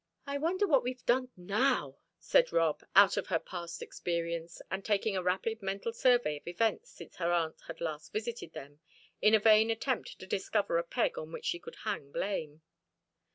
"I wonder what we've done now," said Rob, out of her past experience, and taking a rapid mental survey of events since her aunt had visited them, in a vain attempt to discover a peg on which she could hang blame.